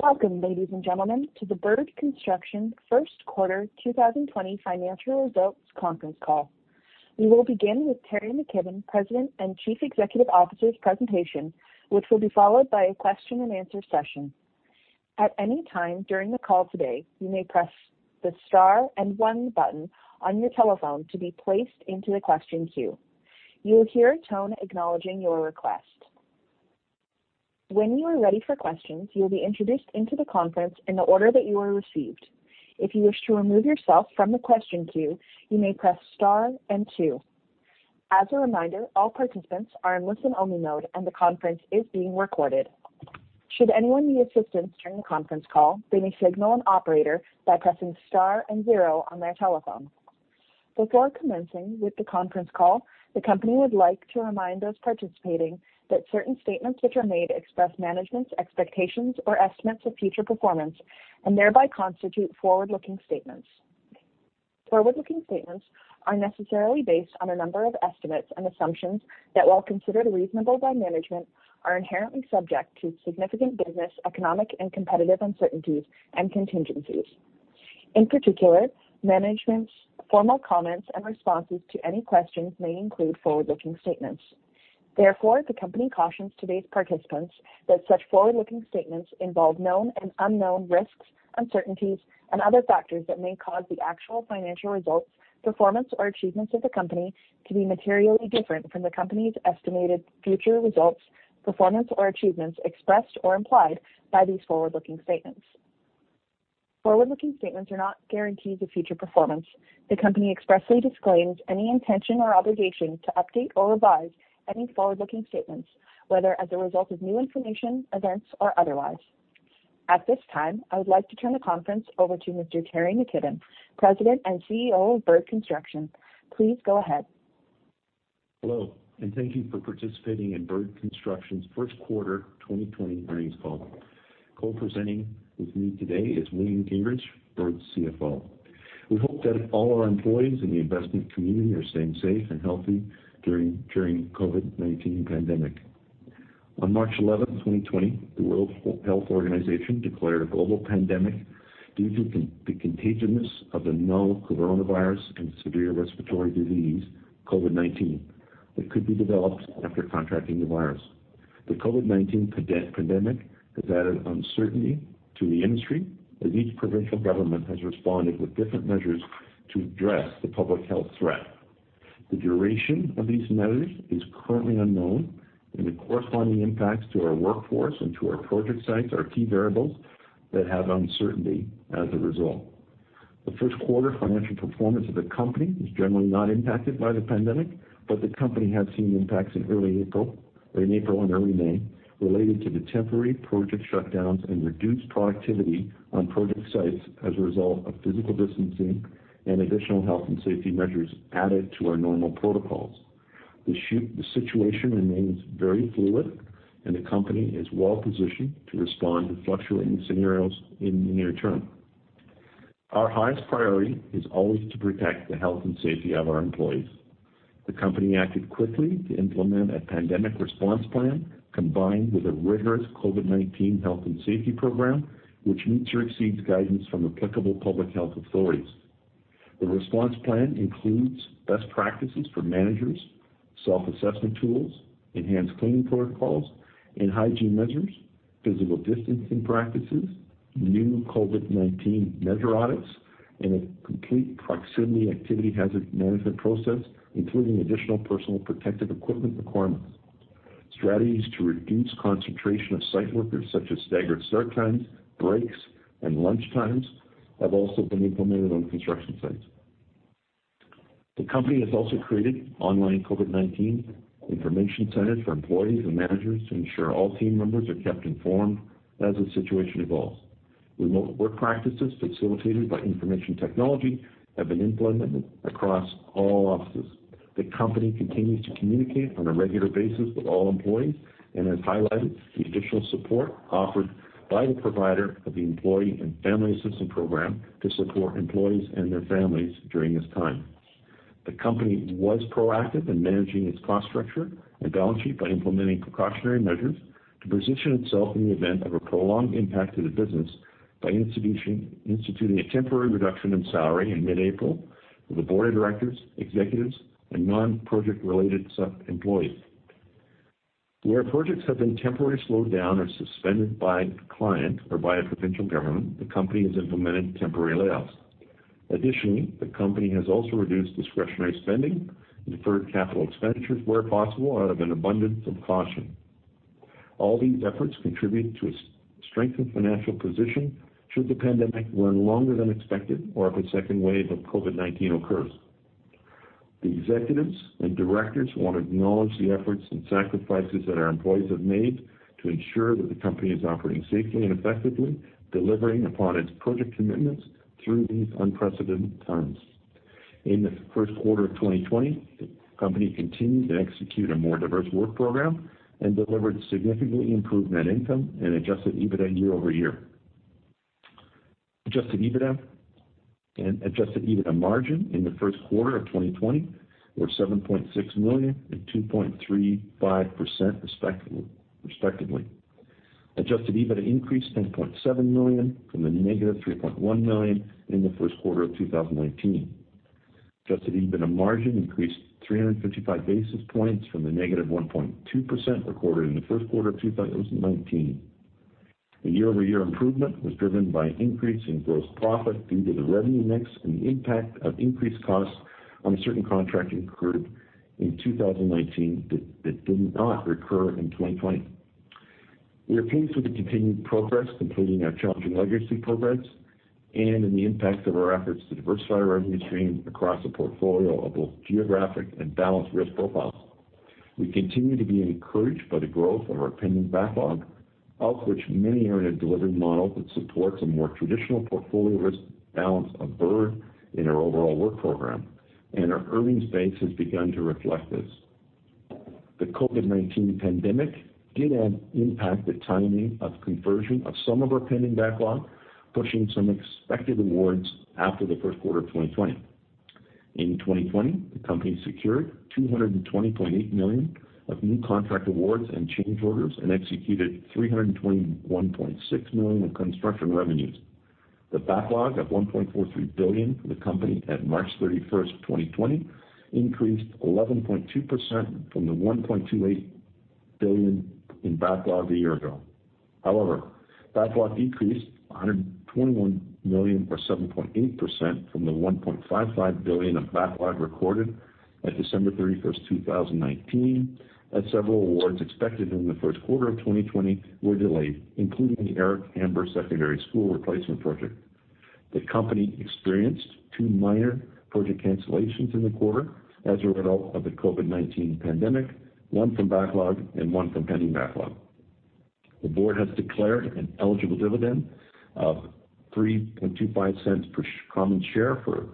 Welcome, ladies and gentlemen, to the Bird Construction first quarter 2020 financial results conference call. We will begin with Terrance McKibbon, President and Chief Executive Officer's presentation, which will be followed by a question and answer session. At any time during the call today, you may press the star and one button on your telephone to be placed into the question queue. You will hear a tone acknowledging your request. When you are ready for questions, you will be introduced into the conference in the order that you are received. If you wish to remove yourself from the question queue, you may press star and two. As a reminder, all participants are in listen-only mode, and the conference is being recorded. Should anyone need assistance during the conference call, they may signal an operator by pressing star and zero on their telephone. Before commencing with the conference call, the company would like to remind those participating that certain statements which are made express management's expectations or estimates of future performance and thereby constitute forward-looking statements. Forward-looking statements are necessarily based on a number of estimates and assumptions that, while considered reasonable by management, are inherently subject to significant business, economic, and competitive uncertainties and contingencies. In particular, management's formal comments and responses to any questions may include forward-looking statements. Therefore, the company cautions today's participants that such forward-looking statements involve known and unknown risks, uncertainties, and other factors that may cause the actual financial results, performance, or achievements of the company to be materially different from the company's estimated future results, performance, or achievements expressed or implied by these forward-looking statements. Forward-looking statements are not guarantees of future performance. The company expressly disclaims any intention or obligation to update or revise any forward-looking statements, whether as a result of new information, events, or otherwise. At this time, I would like to turn the conference over to Mr. Terrance McKibbon, President and CEO of Bird Construction. Please go ahead. Hello, thank you for participating in Bird Construction's first quarter 2020 earnings call. Co-presenting with me today is Wayne Gingrich, Bird's CFO. We hope that all our employees in the investment community are staying safe and healthy during COVID-19 pandemic. On March 11, 2020, the World Health Organization declared a global pandemic due to the contagiousness of the novel coronavirus and severe respiratory disease, COVID-19, that could be developed after contracting the virus. The COVID-19 pandemic has added uncertainty to the industry, as each provincial government has responded with different measures to address the public health threat. The duration of these measures is currently unknown, the corresponding impacts to our workforce and to our project sites are key variables that have uncertainty as a result. The first quarter financial performance of the company was generally not impacted by the pandemic, but the company had seen impacts in early April, late April and early May, related to the temporary project shutdowns and reduced productivity on project sites as a result of physical distancing and additional health and safety measures added to our normal protocols. The situation remains very fluid, and the company is well-positioned to respond to fluctuating scenarios in the near term. Our highest priority is always to protect the health and safety of our employees. The company acted quickly to implement a pandemic response plan combined with a rigorous COVID-19 health and safety program, which meets or exceeds guidance from applicable public health authorities. The response plan includes best practices for managers, self-assessment tools, enhanced cleaning protocols and hygiene measures, physical distancing practices, new COVID-19 measure audits, and a complete proximity activity hazard management process, including additional personal protective equipment requirements. Strategies to reduce concentration of site workers such as staggered start times, breaks, and lunch times have also been implemented on construction sites. The company has also created online COVID-19 information centers for employees and managers to ensure all team members are kept informed as the situation evolves. Remote work practices facilitated by information technology have been implemented across all offices. The company continues to communicate on a regular basis with all employees and has highlighted the additional support offered by the provider of the Employee and Family Assistance Program to support employees and their families during this time. The company was proactive in managing its cost structure and balance sheet by implementing precautionary measures to position itself in the event of a prolonged impact to the business by instituting a temporary reduction in salary in mid-April for the board of directors, executives, and non-project related employees. Where projects have been temporarily slowed down or suspended by the client or by a provincial government, the company has implemented temporary layoffs. Additionally, the company has also reduced discretionary spending, deferred capital expenditures where possible out of an abundance of caution. All these efforts contribute to a strengthened financial position should the pandemic run longer than expected or if a second wave of COVID-19 occurs. The executives and directors want to acknowledge the efforts and sacrifices that our employees have made to ensure that the company is operating safely and effectively, delivering upon its project commitments through these unprecedented times. In the first quarter of 2020, the company continued to execute a more diverse work program and delivered significantly improved net income and adjusted EBITDA year-over-year. Adjusted EBITDA and adjusted EBITDA margin in the first quarter of 2020 were 7.6 million and 2.35%, respectively. Adjusted EBITDA increased 10.7 million from the negative 3.1 million in the first quarter of 2019. Adjusted EBITDA margin increased 355 basis points from the negative 1.2% recorded in the first quarter of 2019. The year-over-year improvement was driven by an increase in gross profit due to the revenue mix and the impact of increased costs on a certain contract incurred in 2019 that did not recur in 2020. We are pleased with the continued progress completing our challenging legacy programs and in the impacts of our efforts to diversify revenue streams across a portfolio of both geographic and balanced risk profiles. We continue to be encouraged by the growth of our pending backlog, of which many are in a delivery model that supports a more traditional portfolio risk balance of Bird in our overall work program. Our earnings base has begun to reflect this. The COVID-19 pandemic did impact the timing of conversion of some of our pending backlog, pushing some expected awards after the first quarter of 2020. In 2020, the company secured 220.8 million of new contract awards and change orders and executed 321.6 million of construction revenues. The backlog of 1.43 billion for the company at March 31st, 2020 increased 11.2% from the 1.28 billion in backlog a year ago. Backlog decreased 121 million or 7.8% from the 1.55 billion of backlog recorded at December 31st, 2019, as several awards expected in the first quarter of 2020 were delayed, including the Eric Hamber Secondary School Replacement Project. The company experienced two minor project cancellations in the quarter as a result of the COVID-19 pandemic, one from backlog and one from pending backlog. The board has declared an eligible dividend of 0.0325 per common share for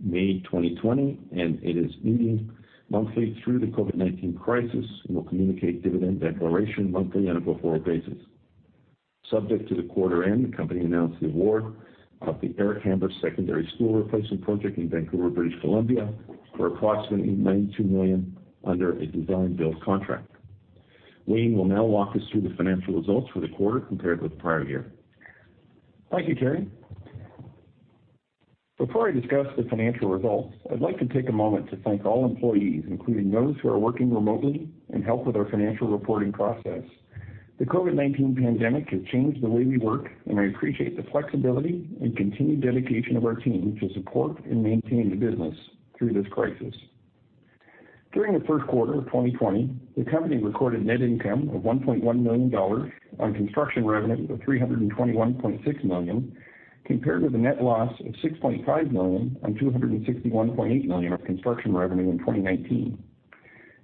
May 2020, and it is meeting monthly through the COVID-19 crisis and will communicate dividend declaration monthly on a go-forward basis. Subject to the quarter end, the company announced the award of the Eric Hamber Secondary School Replacement Project in Vancouver, British Columbia, for approximately 92 million under a design-build contract. Wayne will now walk us through the financial results for the quarter compared with the prior year. Thank you, Terrance. Before I discuss the financial results, I'd like to take a moment to thank all employees, including those who are working remotely and help with our financial reporting process. The COVID-19 pandemic has changed the way we work, and I appreciate the flexibility and continued dedication of our team to support and maintain the business through this crisis. During the first quarter of 2020, the company recorded net income of 1.1 million dollars on construction revenues of 321.6 million, compared with a net loss of 6.5 million on 261.8 million of construction revenue in 2019.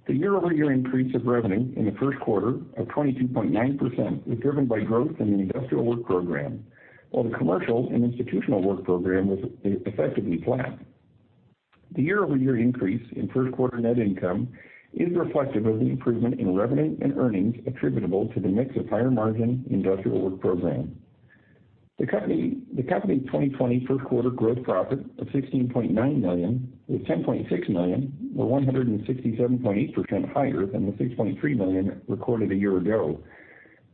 The year-over-year increase of revenue in the first quarter of 22.9% was driven by growth in the industrial work program, while the commercial and institutional work program was effectively flat. The year-over-year increase in first quarter net income is reflective of the improvement in revenue and earnings attributable to the mix of higher margin industrial work program. The company 2020 first quarter gross profit of 16.9 million was 10.6 million 167.8% higher than the 6.3 million recorded a year ago.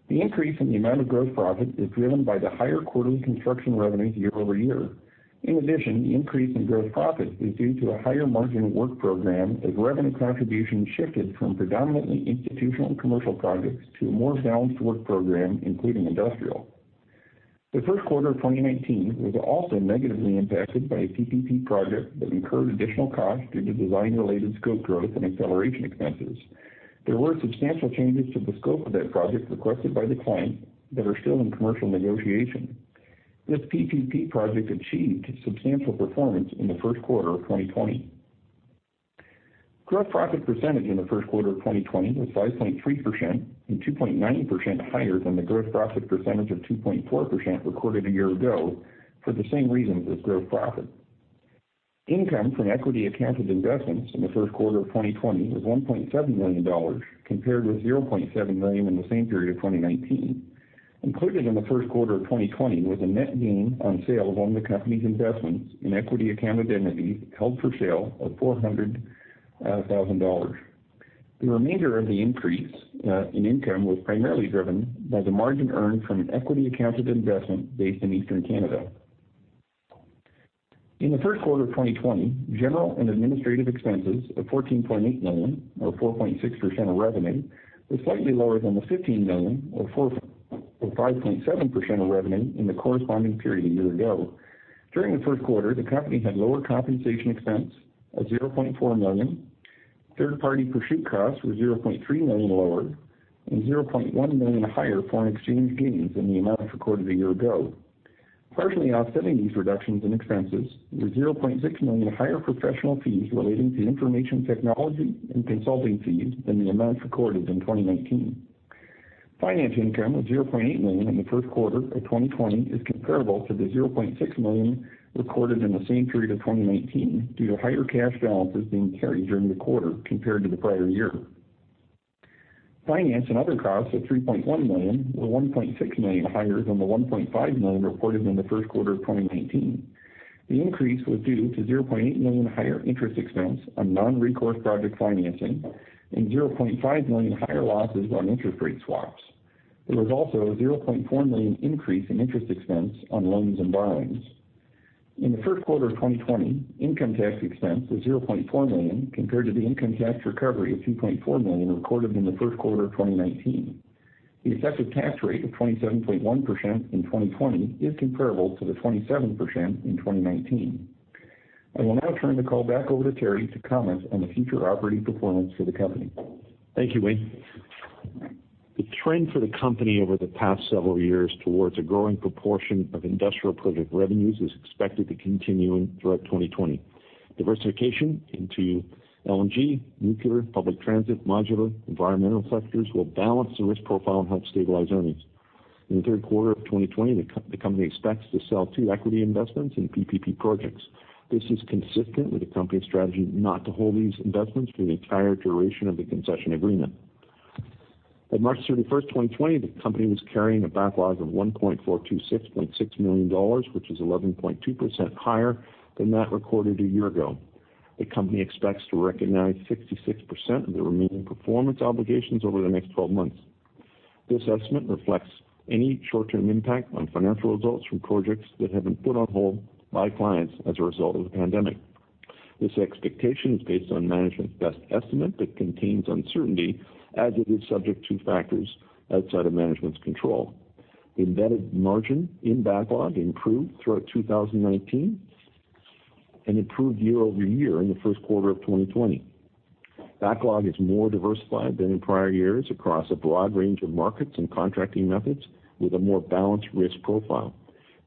The increase in the amount of gross profit is driven by the higher quarterly construction revenues year-over-year. The increase in gross profit was due to a higher margin work program as revenue contribution shifted from predominantly institutional and commercial projects to a more balanced work program, including industrial. The first quarter of 2019 was also negatively impacted by a PPP project that incurred additional costs due to design-related scope growth and acceleration expenses. There were substantial changes to the scope of that project requested by the client that are still in commercial negotiation. This PPP project achieved substantial performance in the first quarter of 2020. Gross profit percentage in the first quarter of 2020 was 5.3% and 2.9% higher than the gross profit percentage of 2.4% recorded a year ago for the same reasons as gross profit. Income from equity accounted investments in the first quarter of 2020 was 1.7 million dollars, compared with 0.7 million in the same period of 2019. Included in the first quarter of 2020 was a net gain on sale of one of the company's investments in equity accounted entity held for sale of 400,000 dollars. The remainder of the increase in income was primarily driven by the margin earned from an equity accounted investment based in Atlantic Canada. In the first quarter of 2020, general and administrative expenses of 14.8 million or 4.6% of revenue were slightly lower than the 15 million or 5.7% of revenue in the corresponding period a year ago. During the first quarter, the company had lower compensation expense of 0.4 million. Third-party pursuit costs were 0.3 million lower and 0.1 million higher foreign exchange gains than the amounts recorded a year ago. Partially offsetting these reductions in expenses were 0.6 million higher professional fees relating to information technology and consulting fees than the amounts recorded in 2019. Finance income of 0.8 million in the first quarter of 2020 is comparable to the 0.6 million recorded in the same period of 2019 due to higher cash balances being carried during the quarter compared to the prior year. Finance and other costs of 3.1 million were 1.6 million higher than the 1.5 million reported in the first quarter of 2019. The increase was due to 0.8 million higher interest expense on non-recourse project financing and 0.5 million higher losses on interest rate swaps. There was also a 0.4 million increase in interest expense on loans and borrowings. In the first quarter of 2020, income tax expense was 0.4 million, compared to the income tax recovery of 2.4 million recorded in the first quarter of 2019. The effective tax rate of 27.1% in 2020 is comparable to the 27% in 2019. I will now turn the call back over to Terrance to comment on the future operating performance for the company. Thank you, Wayne. The trend for the company over the past several years towards a growing proportion of industrial project revenues is expected to continue throughout 2020. Diversification into LNG, nuclear, public transit, modular, environmental sectors will balance the risk profile and help stabilize earnings. In the third quarter of 2020, the company expects to sell two equity investments in PPP projects. This is consistent with the company's strategy not to hold these investments through the entire duration of the concession agreement. At March 31st, 2020, the company was carrying a backlog of 1,426.6 million dollars, which is 11.2% higher than that recorded a year ago. The company expects to recognize 66% of the remaining performance obligations over the next 12 months. This estimate reflects any short-term impact on financial results from projects that have been put on hold by clients as a result of the pandemic. This expectation is based on management's best estimate, but contains uncertainty as it is subject to factors outside of management's control. Embedded margin in backlog improved throughout 2019 and improved year-over-year in the first quarter of 2020. Backlog is more diversified than in prior years across a broad range of markets and contracting methods with a more balanced risk profile.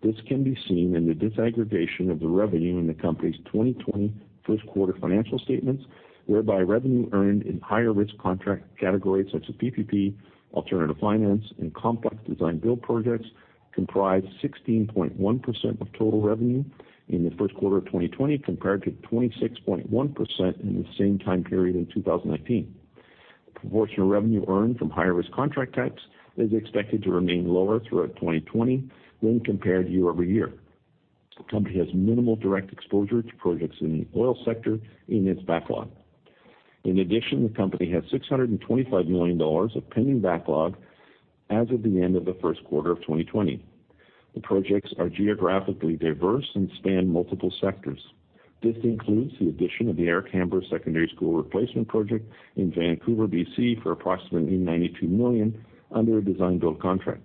This can be seen in the disaggregation of the revenue in the company's 2020 first quarter financial statements, whereby revenue earned in higher risk contract categories such as PPP, alternative finance, and complex design-build projects comprised 16.1% of total revenue in the first quarter of 2020 compared to 26.1% in the same time period in 2019. The proportion of revenue earned from higher risk contract types is expected to remain lower throughout 2020 when compared year-over-year. The company has minimal direct exposure to projects in the oil sector in its backlog. In addition, the company has 625 million dollars of pending backlog as of the end of the first quarter of 2020. The projects are geographically diverse and span multiple sectors. This includes the addition of the Eric Hamber Secondary School Replacement Project in Vancouver, B.C., for approximately 92 million under a design-build contract.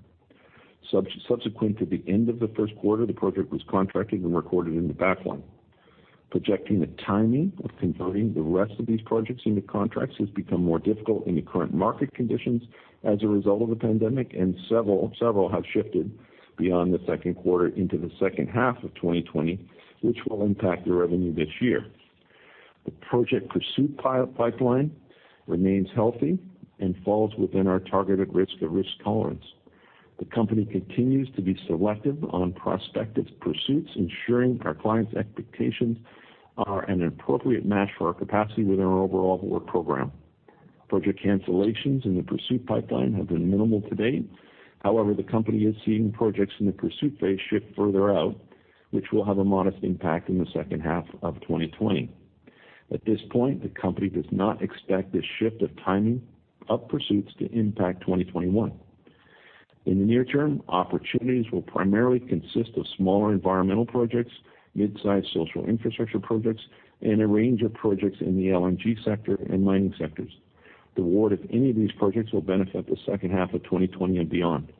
Subsequent to the end of the first quarter, the project was contracted and recorded in the backlog. Projecting the timing of converting the rest of these projects into contracts has become more difficult in the current market conditions as a result of the pandemic, and several have shifted beyond the second quarter into the second half of 2020, which will impact the revenue this year. The project pursuit pipeline remains healthy and falls within our targeted risk or risk tolerance. The company continues to be selective on prospective pursuits, ensuring our clients' expectations are an appropriate match for our capacity within our overall work program. Project cancellations in the pursuit pipeline have been minimal to date. The company is seeing projects in the pursuit phase shift further out, which will have a modest impact in the second half of 2020. At this point, the company does not expect this shift of timing of pursuits to impact 2021. In the near term, opportunities will primarily consist of smaller environmental projects, mid-sized social infrastructure projects, and a range of projects in the LNG sector and mining sectors. The award of any of these projects will benefit the second half of 2020 and beyond.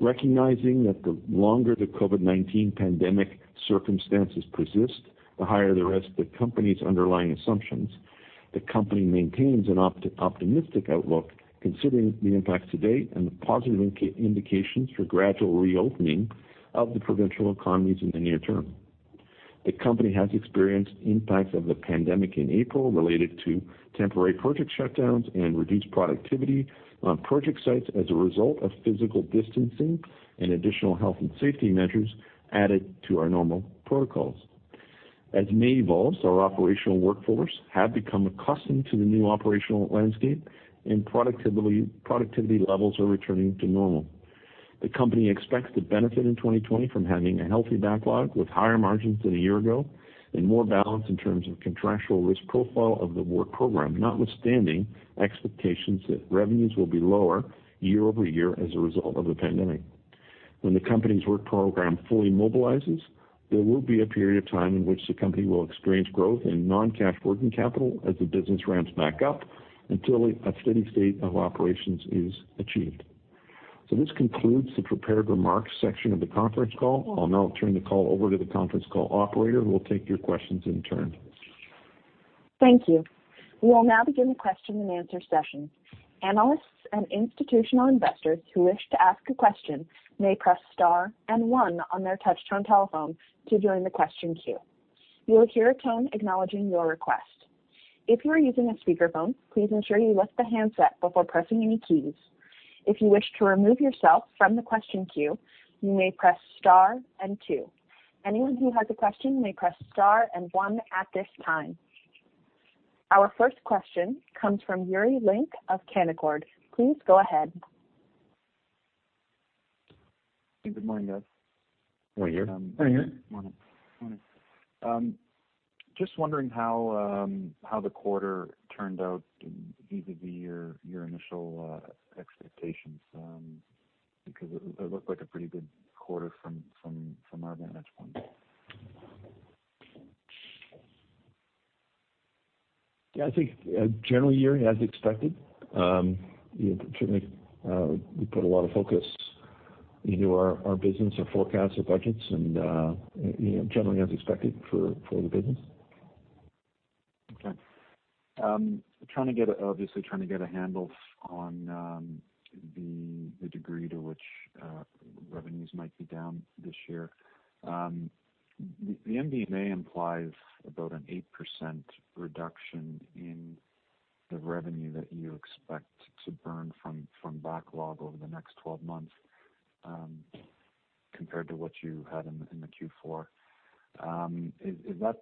Recognizing that the longer the COVID-19 pandemic circumstances persist, the higher the risk to the company's underlying assumptions. The company maintains an optimistic outlook considering the impacts to date and the positive indications for gradual reopening of the provincial economies in the near term. The company has experienced impacts of the pandemic in April related to temporary project shutdowns and reduced productivity on project sites as a result of physical distancing and additional health and safety measures added to our normal protocols. As May evolve, our operational workforce have become accustomed to the new operational landscape and productivity levels are returning to normal. The company expects to benefit in 2020 from having a healthy backlog with higher margins than a year ago and more balance in terms of contractual risk profile of the work program, notwithstanding expectations that revenues will be lower year-over-year as a result of the pandemic. When the company's work program fully mobilizes, there will be a period of time in which the company will experience growth in non-cash working capital as the business ramps back up until a steady state of operations is achieved. This concludes the prepared remarks section of the conference call. I'll now turn the call over to the conference call operator, who will take your questions in turn. Thank you. We will now begin the question and answer session. Analysts and institutional investors who wish to ask a question may press star and one on their touch-tone telephone to join the question queue. You will hear a tone acknowledging your request. If you are using a speakerphone, please ensure you lift the handset before pressing any keys. If you wish to remove yourself from the question queue, you may press star and two. Anyone who has a question may press star and one at this time. Our first question comes from Yuri Lynk of Canaccord. Please go ahead. Good morning, guys. Morning, Yuri. Morning. Morning. Just wondering how the quarter turned out vis-a-vis your initial expectations, because it looked like a pretty good quarter from our vantage point. Yeah, I think generally, Yuri, as expected. Certainly, we put a lot of focus into our business, our forecasts, our budgets, and generally as expected for the business. Okay. Obviously trying to get a handle on the degree to which revenues might be down this year. The MD&A implies about an 8% reduction in the revenue that you expect to burn from backlog over the next 12 months, compared to what you had in the Q4. Is that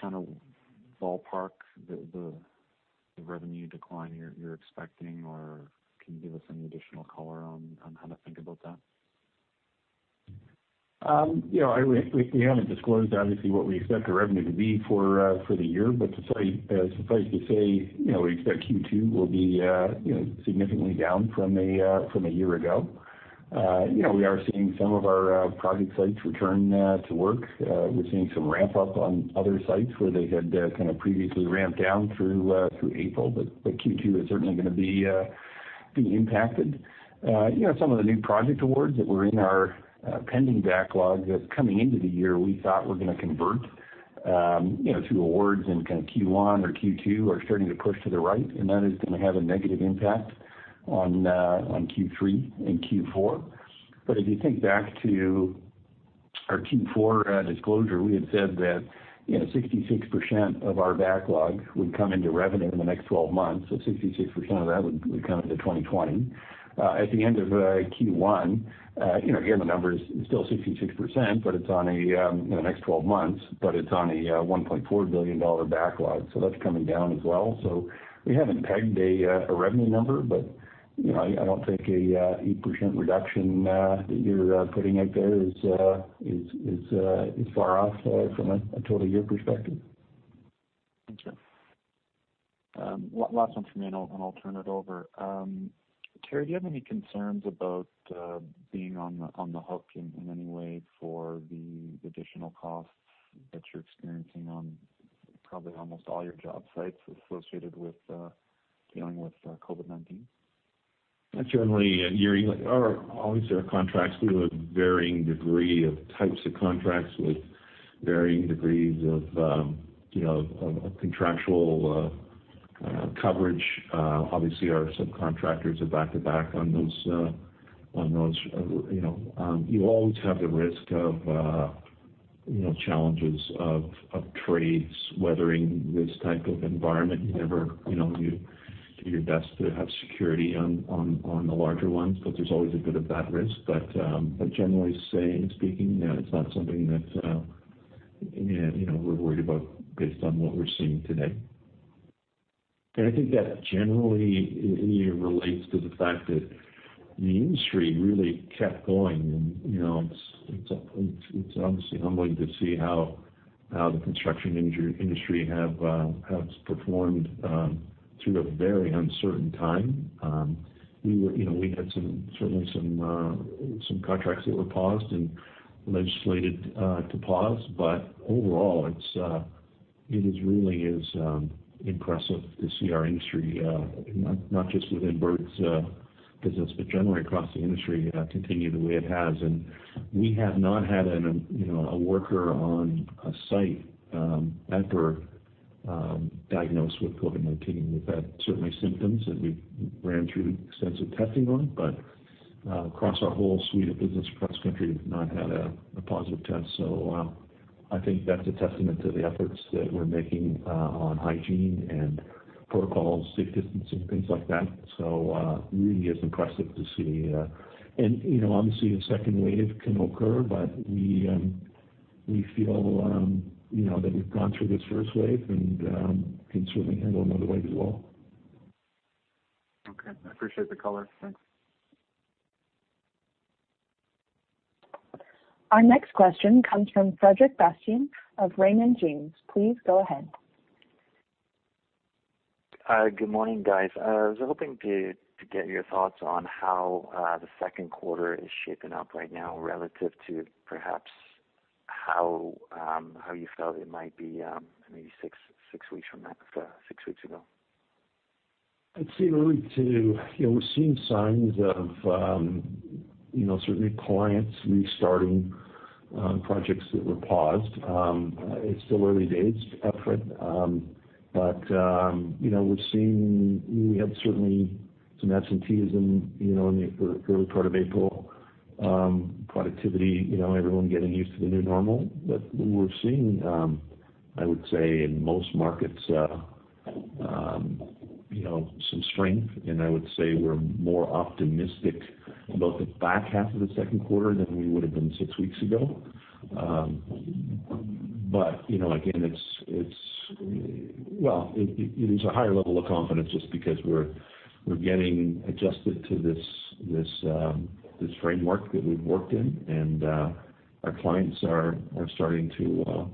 kind of ballpark the revenue decline you're expecting, or can you give us any additional color on how to think about that? We haven't disclosed, obviously, what we expect our revenue to be for the year, but suffice to say, we expect Q2 will be significantly down from a year ago. We are seeing some of our project sites return to work. We're seeing some ramp up on other sites where they had kind of previously ramped down through April. Q2 is certainly going to be impacted. Some of the new project awards that were in our pending backlog that coming into the year we thought were going to convert to awards in Q1 or Q2, are starting to push to the right, and that is going to have a negative impact on Q3 and Q4. If you think back to our Q4 disclosure, we had said that 66% of our backlog would come into revenue in the next 12 months. 66% of that would come into 2020. At the end of Q1, again, the number is still 66%, in the next 12 months, but it's on a 1.4 billion dollar backlog, so that's coming down as well. We haven't pegged a revenue number, but I don't think a 8% reduction that you're putting out there is far off from a total year perspective. Thank you. One last one from me, and I'll turn it over. Terrance, do you have any concerns about being on the hook in any way for the additional costs that you're experiencing on probably almost all your job sites associated with dealing with COVID-19? Generally, Yuri, obviously our contracts, we have a varying degree of types of contracts with varying degrees of contractual coverage. Our subcontractors are back to back on those. You always have the risk of challenges of trades weathering this type of environment. You do your best to have security on the larger ones, but there's always a bit of that risk. Generally speaking, it's not something that we're worried about based on what we're seeing today. I think that generally relates to the fact that the industry really kept going, and it's obviously humbling to see how the construction industry has performed through a very uncertain time. We had certainly some contracts that were paused and legislated to pause. Overall, it is really impressive to see our industry, not just within Bird's business, but generally across the industry, continue the way it has. We have not had a worker on a site at Bird diagnosed with COVID-19. We've had certainly symptoms that we ran through extensive testing on, but across our whole suite of business, across the country, we've not had a positive test. I think that's a testament to the efforts that we're making on hygiene and protocols, safe distancing, things like that. It really is impressive to see. Obviously a second wave can occur, but we feel that we've gone through this first wave and can certainly handle another wave as well. Okay. I appreciate the color. Thanks. Our next question comes from Frederic Bastien of Raymond James. Please go ahead. Good morning, guys. I was hoping to get your thoughts on how the second quarter is shaping up right now relative to perhaps how you felt it might be maybe six weeks ago. We're seeing signs of certainly clients restarting projects that were paused. It's still early days, Frederic. We had certainly some absentees in the early part of April. Productivity, everyone getting used to the new normal that we're seeing. I would say in most markets, some strength, I would say we're more optimistic about the back half of the second quarter than we would've been six weeks ago. Again, it's a higher level of confidence just because we're getting adjusted to this framework that we've worked in, and our clients are starting to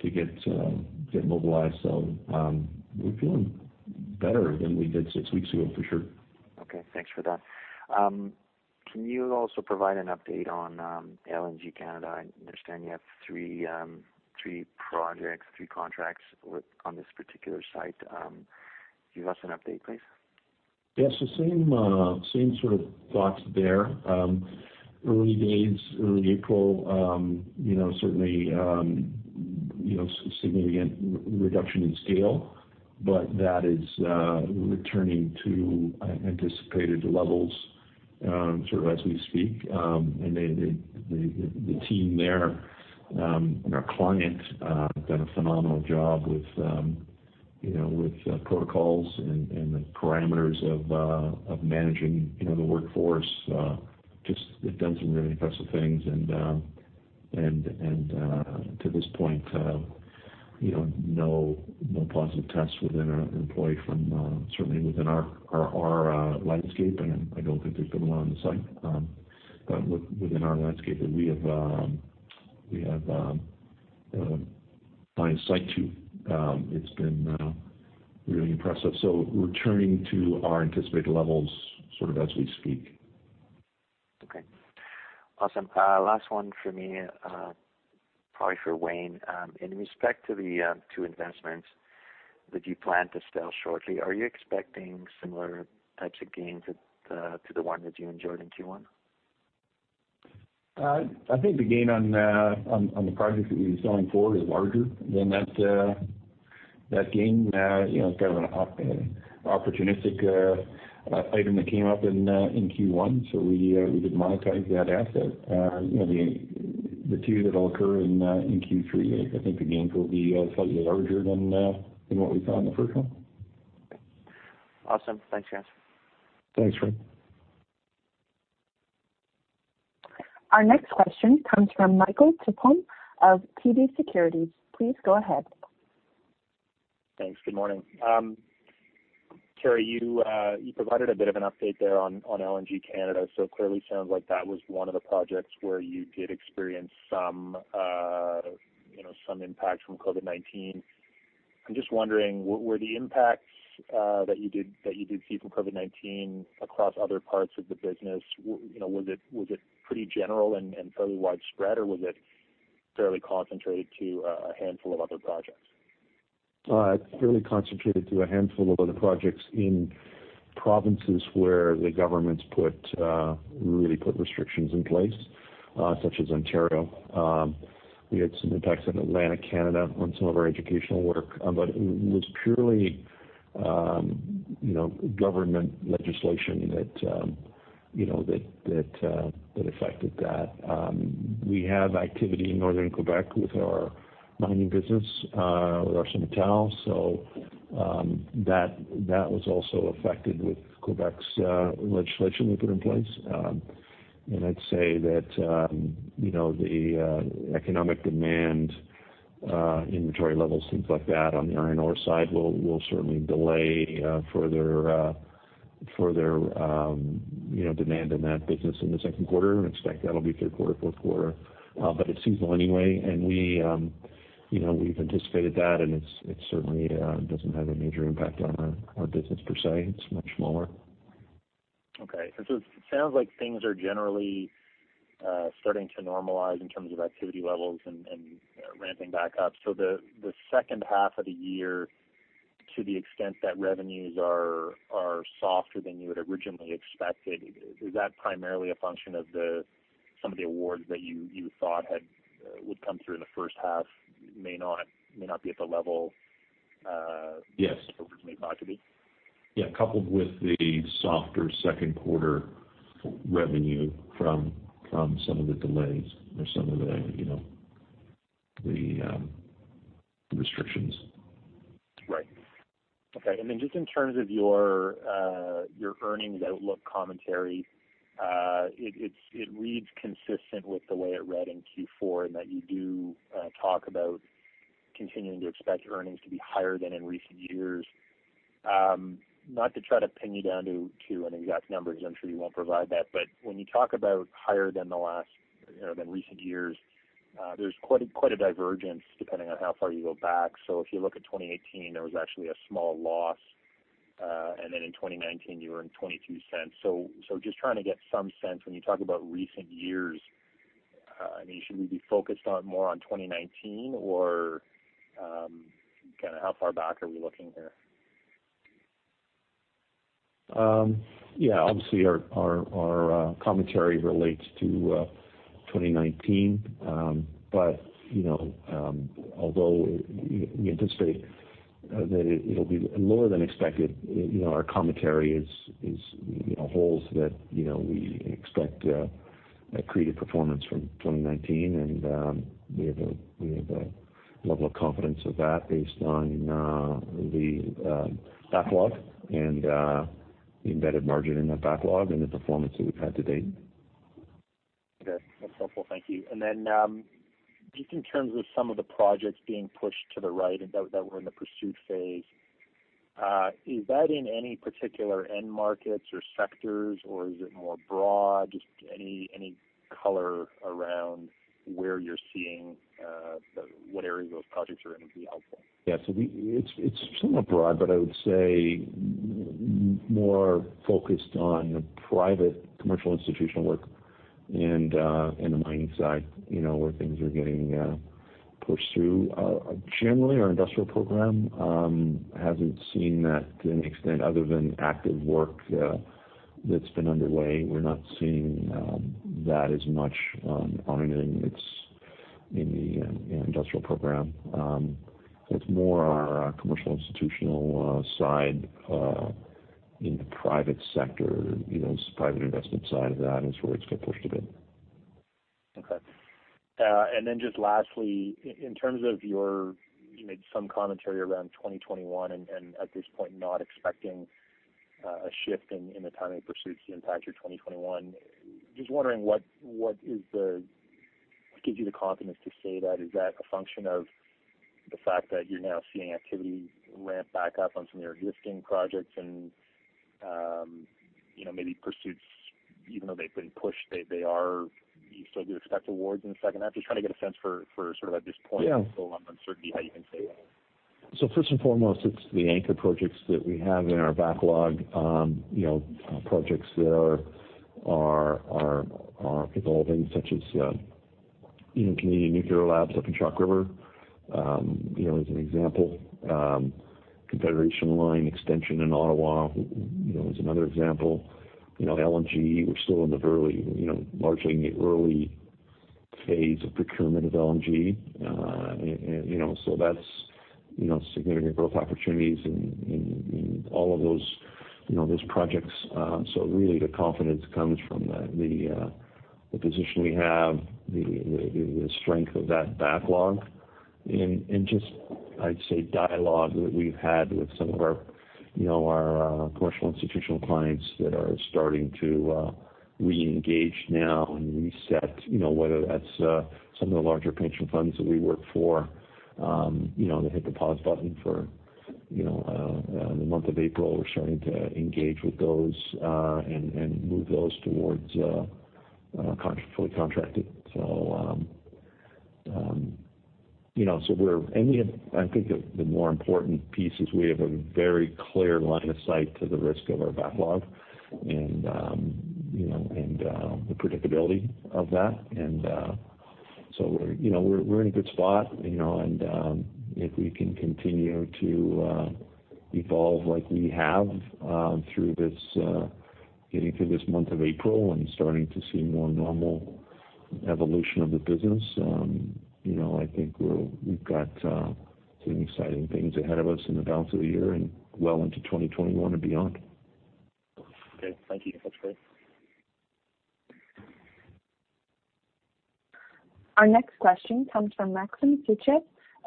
get mobilized. We're feeling better than we did six weeks ago for sure. Okay. Thanks for that. Can you also provide an update on LNG Canada? I understand you have three projects, three contracts on this particular site. Give us an update, please. Yeah. Same sort of thoughts there. Early days, early April, certainly, significant reduction in scale, but that is returning to anticipated levels as we speak. The team there and our client have done a phenomenal job with protocols and the parameters of managing the workforce. Just have done some really impressive things and to this point, no positive tests within our employee, certainly within our landscape, and I don't think there's been one on the site. Within our landscape, and we have line of sight to, it's been really impressive. Returning to our anticipated levels as we speak. Okay. Awesome. Last one for me, probably for Wayne. In respect to the two investments that you plan to sell shortly, are you expecting similar types of gains to the one that you enjoyed in Q1? I think the gain on the project that we'll be selling forward is larger than that gain. It's kind of an opportunistic item that came up in Q1. We did monetize that asset. The two that'll occur in Q3, I think the gains will be slightly larger than what we saw in the first one. Okay. Awesome. Thanks, guys. Thanks, Ray. Our next question comes from Michael Tupholme of TD Securities. Please go ahead. Thanks. Good morning. Terrance, you provided a bit of an update there on LNG Canada, so clearly sounds like that was one of the projects where you did experience some impact from COVID-19. I'm just wondering, were the impacts that you did see from COVID-19 across other parts of the business, was it pretty general and fairly widespread, or was it fairly concentrated to a handful of other projects? Fairly concentrated to a handful of other projects in provinces where the governments really put restrictions in place, such as Ontario. We had some impacts on Atlantic Canada on some of our educational work. It was purely government legislation that affected that. We have activity in northern Quebec with our mining business, with ArcelorMittal. That was also affected with Quebec's legislation they put in place. I'd say that the economic demand, inventory levels, things like that on the iron ore side will certainly delay further demand in that business in the second quarter and expect that'll be third quarter, fourth quarter. It's seasonal anyway, and we've anticipated that, and it certainly doesn't have a major impact on our business per se. It's much smaller. Okay. It sounds like things are generally starting to normalize in terms of activity levels and ramping back up. The second half of the year, to the extent that revenues are softer than you had originally expected, is that primarily a function of some of the awards that you thought would come through in the first half may not be at the level? Yes it originally thought to be? Yeah. Coupled with the softer second quarter revenue from some of the delays or some of the restrictions. Right. Okay. Then just in terms of your earnings outlook commentary, it reads consistent with the way it read in Q4, and that you do talk about continuing to expect earnings to be higher than in recent years. Not to try to pin you down to an exact number, because I'm sure you won't provide that, but when you talk about higher than recent years, there's quite a divergence depending on how far you go back. If you look at 2018, there was actually a small loss. Then in 2019 you earned 0.22. Just trying to get some sense when you talk about recent years, should we be focused more on 2019 or how far back are we looking here? Yeah. Obviously our commentary relates to 2019. Although we anticipate that it'll be lower than expected, our commentary holds that we expect accretive performance from 2019, and we have a level of confidence of that based on the backlog and the embedded margin in that backlog and the performance that we've had to date. Okay. That's helpful. Thank you. Then, just in terms of some of the projects being pushed to the right and that were in the pursuit phase, is that in any particular end markets or sectors, or is it more broad? Just any color around where you're seeing what areas those projects are in would be helpful. It's somewhat broad, but I would say more focused on the private commercial institutional work and the mining side where things are getting pushed through. Generally, our industrial program hasn't seen that to any extent other than active work that's been underway. We're not seeing that as much on anything that's in the industrial program. It's more our commercial institutional side in the private sector, private investment side of that is where it's been pushed a bit. Okay. Just lastly, in terms of you made some commentary around 2021 and at this point, not expecting a shift in the timing of pursuits to impact your 2021. Just wondering what gives you the confidence to say that? Is that a function of the fact that you're now seeing activity ramp back up on some of your existing projects and maybe pursuits, even though they've been pushed, you still do expect awards in the second half? Just trying to get a sense for sort of at this point. Yeah the level of uncertainty, how you can say that? First and foremost, it's the anchor projects that we have in our backlog. Projects that are evolving such as Canadian Nuclear Laboratories up in Chalk River, as an example. Confederation Line extension in Ottawa is another example. LNG, we're still largely in the early phase of procurement of LNG. That's significant growth opportunities in all of those projects. Really, the confidence comes from the position we have, the strength of that backlog and just, I'd say, dialogue that we've had with some of our commercial institutional clients that are starting to re-engage now and reset. Whether that's some of the larger pension funds that we work for that hit the pause button for the month of April. We're starting to engage with those, and move those towards fully contracted. I think the more important piece is we have a very clear line of sight to the risk of our backlog and the predictability of that. We're in a good spot, and if we can continue to evolve like we have through getting through this month of April and starting to see more normal evolution of the business, I think we've got some exciting things ahead of us in the balance of the year and well into 2021 and beyond. Okay. Thank you. That's great. Our next question comes from Maxim Sytchev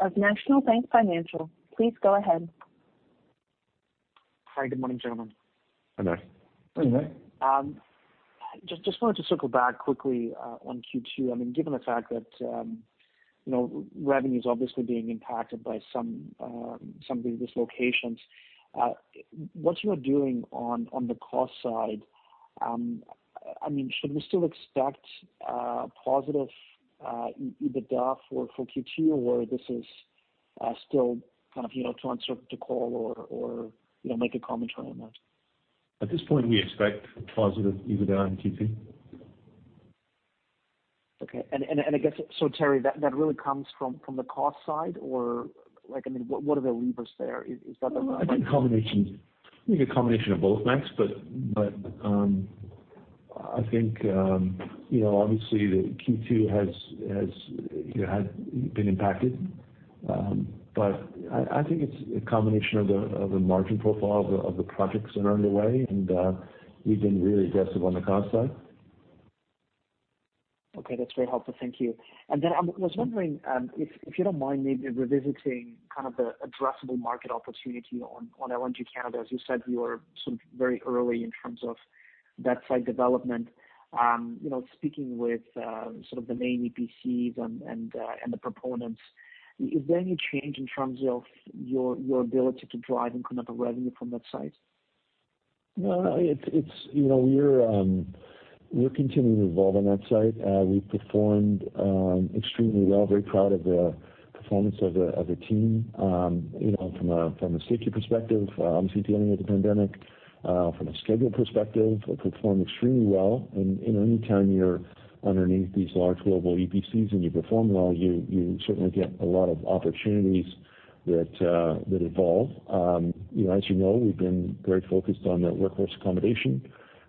of National Bank Financial. Please go ahead. Hi. Good morning, gentlemen. Hi, Max. Hey, Max. Wanted to circle back quickly on Q2. Given the fact that revenue is obviously being impacted by some of the dislocations, what you are doing on the cost side, should we still expect positive EBITDA for Q2, or this is still kind of too uncertain to call or make a commentary on that? At this point, we expect positive EBITDA in Q2. Okay. I guess, so Terrance, that really comes from the cost side, or what are the levers there? Is that the right? I think a combination of both, Max, but I think obviously the Q2 has been impacted. I think it's a combination of the margin profile of the projects that are underway and we've been really aggressive on the cost side. Okay, that's very helpful. Thank you. I was wondering, if you don't mind maybe revisiting kind of the addressable market opportunity on LNG Canada. As you said, you are sort of very early in terms of that site development. Speaking with sort of the main EPCs and the proponents, is there any change in terms of your ability to drive incremental revenue from that site? We're continuing to evolve on that site. We've performed extremely well. Very proud of the performance of the team from a safety perspective, obviously dealing with the pandemic. From a schedule perspective, we performed extremely well and any time you're underneath these large global EPCs and you perform well, you certainly get a lot of opportunities that evolve. As you know, we've been very focused on the workforce accommodation.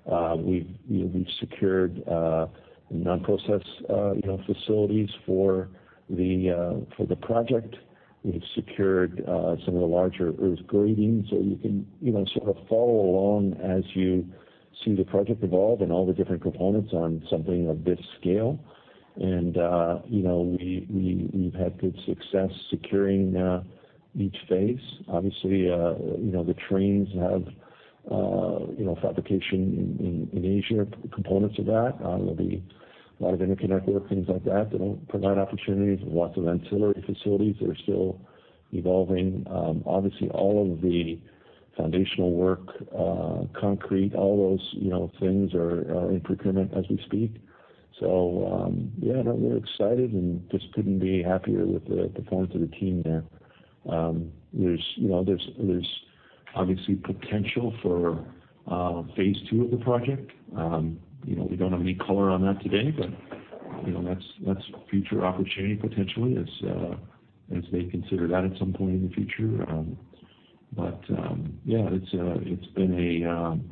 We've secured non-process facilities for the project. We've secured some of the larger earth gradings, so you can sort of follow along as you see the project evolve and all the different components on something of this scale. We've had good success securing each phase. Obviously, the trains have fabrication in Asia, components of that. There'll be a lot of interconnector, things like that'll provide opportunities. Lots of ancillary facilities that are still evolving. Obviously, all of the foundational work, concrete, all those things are in procurement as we speak. Yeah, no, we're excited and just couldn't be happier with the performance of the team there. There's obviously potential for phase two of the project. We don't have any color on that today, that's a future opportunity potentially as they consider that at some point in the future. Yeah, it's been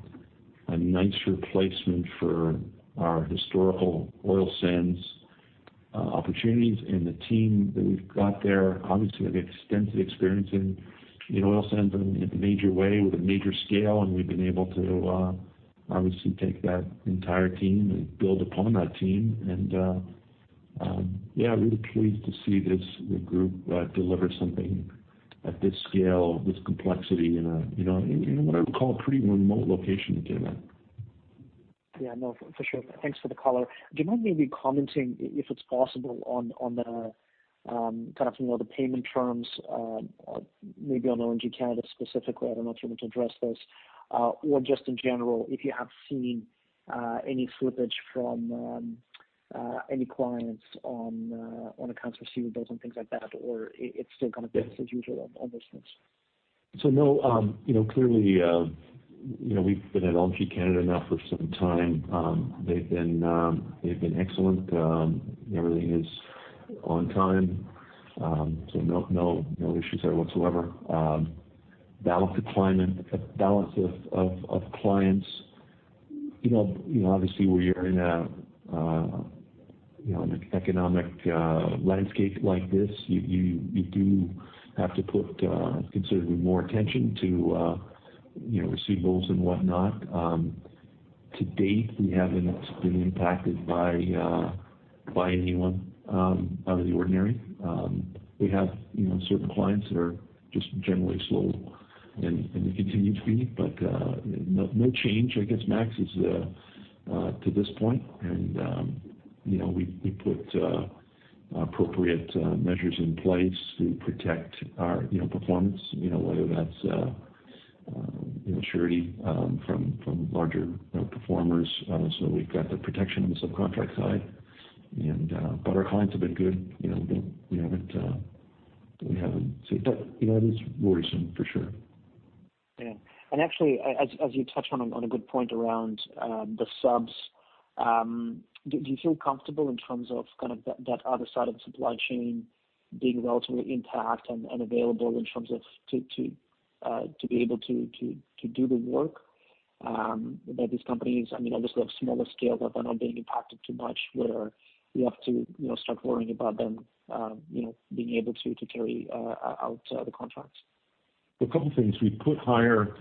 a nice replacement for our historical oil sands opportunities. The team that we've got there obviously have extensive experience in oil sands in a major way with a major scale, and we've been able to obviously take that entire team and build upon that team. Yeah, really pleased to see this group deliver something at this scale, this complexity in what I would call a pretty remote location too. Yeah, no, for sure. Thanks for the color. Do you mind maybe commenting, if it's possible, on the kind of the payment terms, maybe on LNG Canada specifically? I don't know if you want to address those. Just in general, if you have seen any slippage from any clients on accounts receivable and things like that, or it's still kind of business as usual on those things? No, clearly, we've been at LNG Canada now for some time. They've been excellent. Everything is on time. No issues there whatsoever. Balance of clients. Obviously, where you're in an economic landscape like this, you do have to put considerably more attention to receivables and whatnot. To date, we haven't been impacted by anyone out of the ordinary. We have certain clients that are just generally slow and they continue to be, but no change, I guess, Max, as to this point. We put appropriate measures in place to protect our performance, whether that's surety from larger performers. We've got the protection on the subcontract side. Our clients have been good. We haven't seen. It is worrisome for sure. Yeah. Actually, as you touched on a good point around the subs, do you feel comfortable in terms of kind of that other side of the supply chain being relatively intact and available in terms of to be able to do the work? These companies, obviously, have smaller scale, but they're not being impacted too much where you have to start worrying about them being able to carry out the contracts. A couple things. We put higher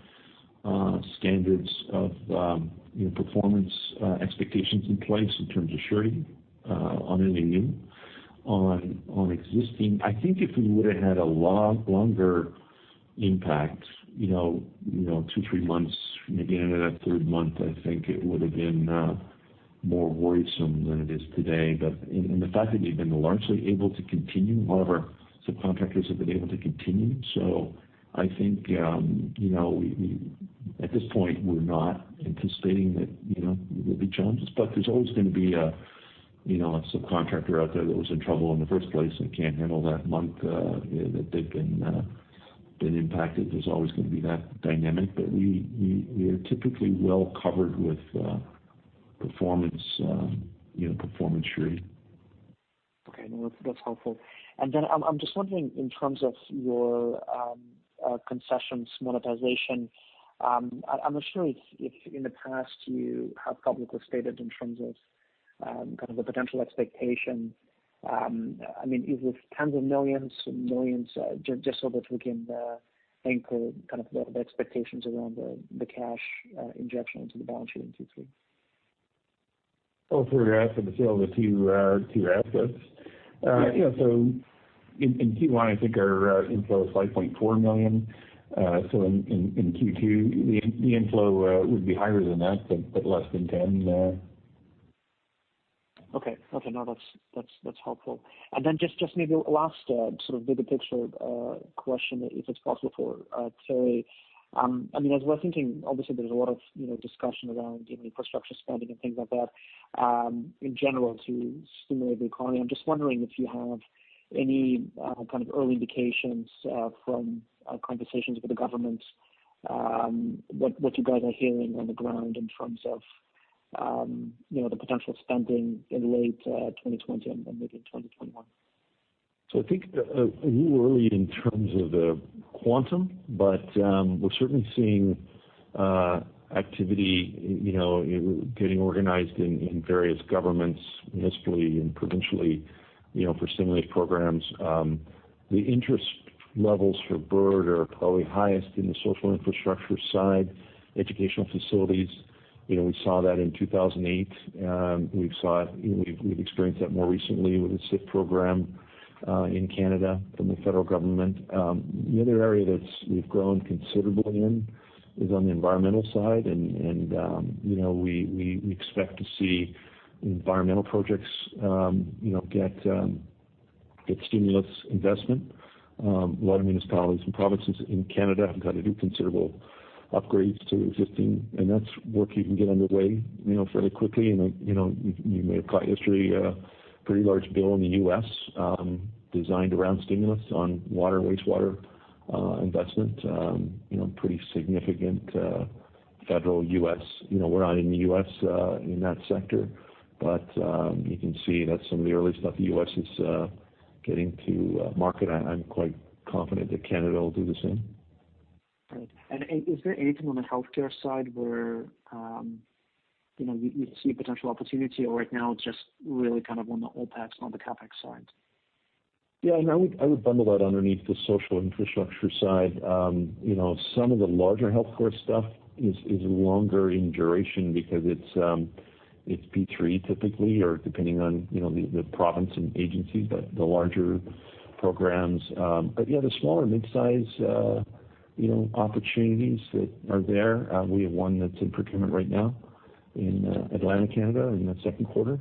standards of performance expectations in place in terms of surety on any new. On existing, I think if we would've had a lot longer impact, two, three months, maybe into that third month, I think it would've been more worrisome than it is today. The fact that we've been largely able to continue, all of our subcontractors have been able to continue. I think, at this point, we're not anticipating that there'll be challenges. There's always going to be a subcontractor out there that was in trouble in the first place and can't handle that month that they've been impacted. There's always going to be that dynamic. We are typically well covered with performance surety. Okay. No, that's helpful. I'm just wondering in terms of your concessions monetization, I'm not sure if in the past you have publicly stated in terms of kind of the potential expectation. Is this CAD tens of millions, millions, just so that we can anchor kind of the expectations around the cash injection into the balance sheet in Q3? Oh, you're asking the sale of the two assets? Yeah. In Q1, I think our inflow is 5.4 million. In Q2, the inflow would be higher than that, but less than 10 million. Okay. No, that's helpful. Just maybe last sort of bigger picture question, if it's possible for Terrance. I mean, as we're thinking, obviously, there's a lot of discussion around infrastructure spending and things like that in general to stimulate the economy. I'm just wondering if you have any kind of early indications from conversations with the government, what you guys are hearing on the ground in terms of the potential spending in late 2020 and maybe in 2021. I think a little early in terms of the quantum, but we're certainly seeing activity, getting organized in various governments, municipally and provincially, for stimulus programs. The interest levels for Bird are probably highest in the social infrastructure side, educational facilities. We saw that in 2008. We've experienced that more recently with the SIF program, in Canada from the federal government. The other area that we've grown considerably in is on the environmental side. We expect to see environmental projects get stimulus investment. A lot of municipalities and provinces in Canada have had to do considerable upgrades to existing, and that's work you can get underway fairly quickly. You may have caught history, a pretty large bill in the U.S. designed around stimulus on water, wastewater investment. Pretty significant federal U.S. We're not in the U.S. in that sector, but you can see that's some of the early stuff the U.S. is getting to market. I'm quite confident that Canada will do the same. Right. Is there anything on the healthcare side where you see potential opportunity, or right now it's just really on the OpEx, on the CapEx side? Yeah, no, I would bundle that underneath the social infrastructure side. Some of the larger healthcare stuff is longer in duration because it's P3 typically, or depending on the province and agency, but the larger programs. Yeah, the smaller mid-size opportunities that are there, we have one that's in procurement right now in Atlantic Canada, in the second quarter.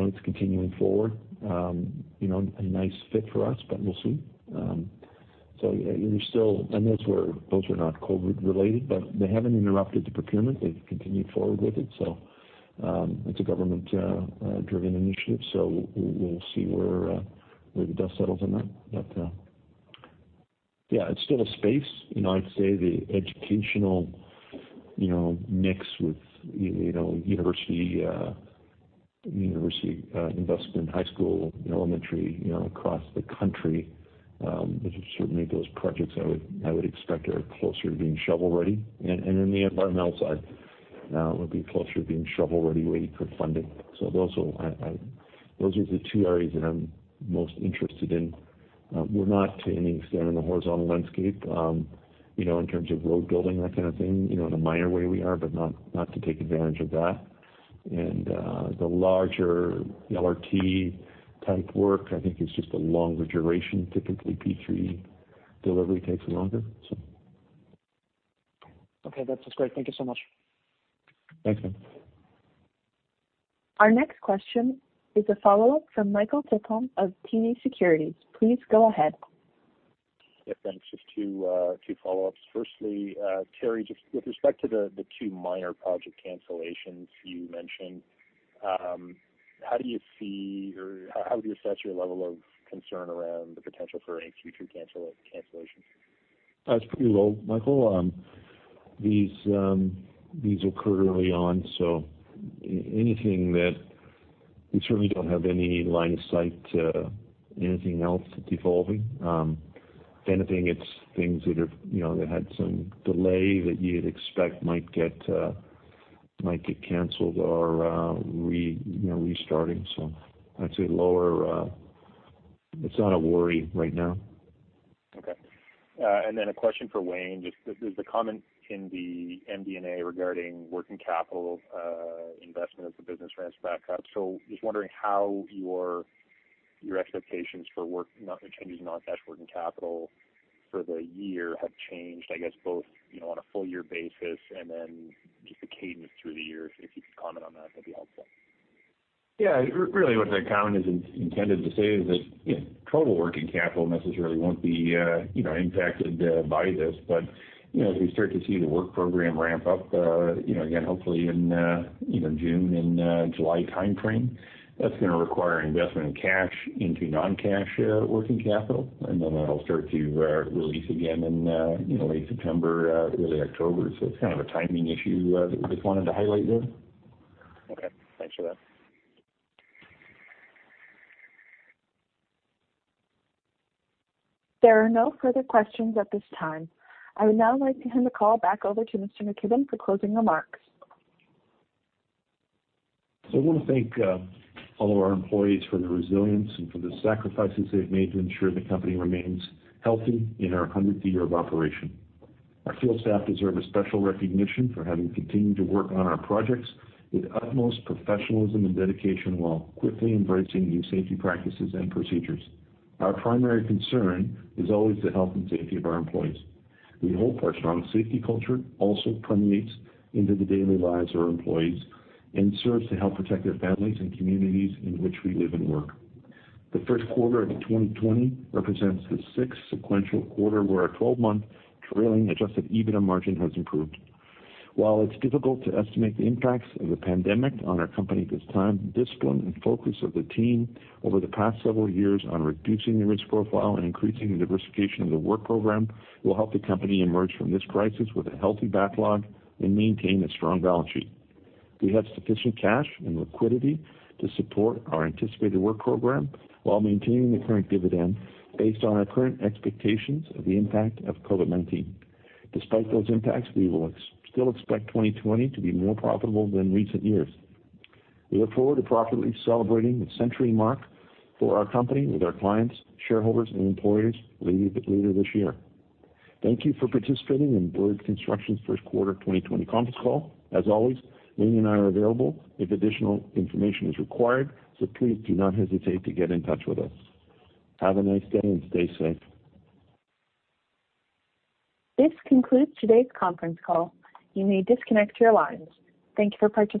It's continuing forward. A nice fit for us, but we'll see. Those were not COVID related, but they haven't interrupted the procurement. They've continued forward with it. It's a government driven initiative, so we'll see where the dust settles on that. Yeah, it's still a space. I'd say the educational mix with university investment, high school, elementary across the country, which is certainly those projects I would expect are closer to being shovel-ready. In the environmental side, would be closer to being shovel-ready, waiting for funding. Those are the two areas that I'm most interested in. We're not to any extent in the horizontal landscape, in terms of road building, that kind of thing. In a minor way we are, but not to take advantage of that. The larger LRT type work, I think it's just a longer duration. Typically, P3 delivery takes longer. Okay. That's great. Thank you so much. Thanks, Max. Our next question is a follow-up from Michael Tupholme of TD Securities. Please go ahead. Yeah, thanks. Just two follow-ups. Firstly, Terrance, just with respect to the two minor project cancellations you mentioned, how do you see or how would you assess your level of concern around the potential for any future cancellations? It's pretty low, Michael. These occur early on, so we certainly don't have any line of sight to anything else devolving. If anything, it's things that had some delay that you'd expect might get canceled or restarting. I'd say lower. It's not a worry right now. Okay. A question for Wayne. Just there's a comment in the MD&A regarding working capital investment as a business risk backup. Just wondering how your expectations for changes in non-cash working capital for the year have changed, I guess both on a full year basis and then just the cadence through the year. If you could comment on that'd be helpful. Yeah. Really what that comment is intended to say is that total working capital necessarily won't be impacted by this. As we start to see the work program ramp up, again, hopefully in June and July timeframe, that's gonna require investment in cash into non-cash working capital. That'll start to release again in late September, early October. It's kind of a timing issue that we just wanted to highlight there. Okay. Thanks for that. There are no further questions at this time. I would now like to hand the call back over to Mr. McKibbon for closing remarks. I want to thank all of our employees for their resilience and for the sacrifices they've made to ensure the company remains healthy in our 100th year of operation. Our field staff deserve a special recognition for having continued to work on our projects with utmost professionalism and dedication while quickly embracing new safety practices and procedures. Our primary concern is always the health and safety of our employees. We hope our strong safety culture also permeates into the daily lives of our employees and serves to help protect their families and communities in which we live and work. The first quarter of 2020 represents the sixth sequential quarter where our 12-month trailing adjusted EBITDA margin has improved. While it's difficult to estimate the impacts of the pandemic on our company at this time, discipline and focus of the team over the past several years on reducing the risk profile and increasing the diversification of the work program will help the company emerge from this crisis with a healthy backlog and maintain a strong balance sheet. We have sufficient cash and liquidity to support our anticipated work program while maintaining the current dividend based on our current expectations of the impact of COVID-19. Despite those impacts, we will still expect 2020 to be more profitable than recent years. We look forward to properly celebrating the century mark for our company with our clients, shareholders and employees later this year. Thank you for participating in Bird Construction's first quarter 2020 conference call. As always, Wayne and I are available if additional information is required, so please do not hesitate to get in touch with us. Have a nice day and stay safe. This concludes today's conference call. You may disconnect your lines. Thank you for participating.